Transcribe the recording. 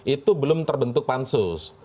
itu belum terbentuk pansus